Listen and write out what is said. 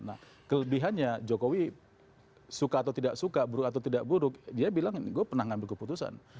nah kelebihannya jokowi suka atau tidak suka buruk atau tidak buruk dia bilang gue pernah ngambil keputusan